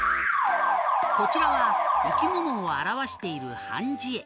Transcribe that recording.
こちらは生き物を表している判じ絵